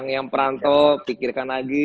yang perantau pikirkan lagi